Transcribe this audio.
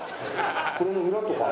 これの裏とか。